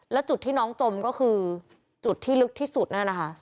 แล้วจุดที่น้องจมก็คือจุดที่ลึกที่สุดนั่นนะคะ